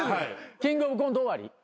キングオブコント終わり？